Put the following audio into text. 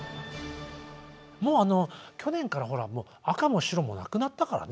もうあの去年からほらもう紅も白もなくなったからね。